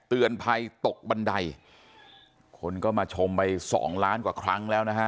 เตือนภัยตกบันไดคนก็มาชมไปสองล้านกว่าครั้งแล้วนะฮะ